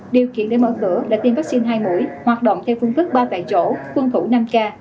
điều kiện để mở cửa là tiêm vaccine hai mũi hoạt động theo phương thức ba tại chỗ tuân thủ năm k